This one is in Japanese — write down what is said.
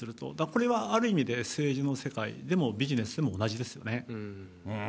これはある意味で、政治の世界でも、ビジネスでも同じですよね。